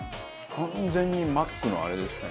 完全にマックのあれですね。